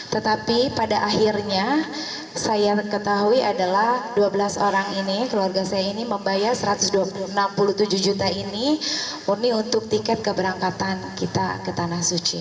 tetapi pada akhirnya saya ketahui adalah dua belas orang ini keluarga saya ini membayar satu ratus enam puluh tujuh juta ini murni untuk tiket keberangkatan kita ke tanah suci